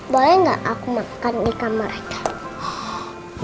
boleh gak aku makan di kamarnya